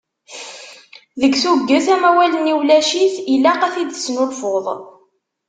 Deg tuget, amawal-nni ulac-it, ilaq ad t-id-tesnulfuḍ.